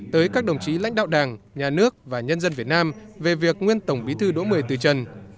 tới các đồng chí lãnh đạo đảng nhà nước và nhân dân việt nam về việc nguyên tổng bí thư đỗ mười từ trần